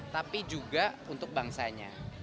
tapi juga untuk bangsanya